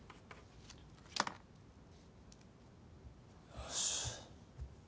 よし。